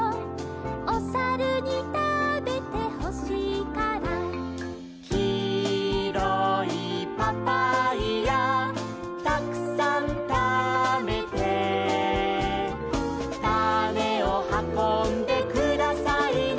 「おさるにたべてほしいから」「きいろいパパイヤたくさんたべて」「たねをはこんでくださいな」